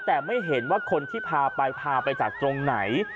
แต่ไม่เห็นว่าคนที่พาไปพาไปจากตรงไหน